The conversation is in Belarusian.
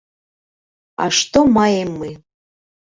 А што маем мы?